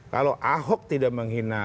kalau ahok tidak menghina